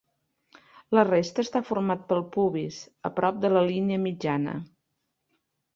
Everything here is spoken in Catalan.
La resta està format pel pubis, a prop de la línia mitjana.